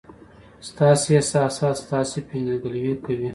ستاسي احساسات ستاسي پېژندګلوي کوي.